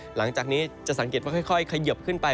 หลังจากนี้จะสังเกตว่าค่อยเขยิบขึ้นไป